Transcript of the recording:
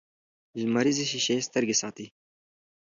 لمریزې شیشې سترګې ساتي